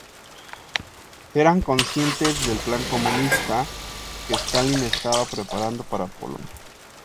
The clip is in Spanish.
Eran conscientes del plan comunista que Stalin estaba preparando para Polonia.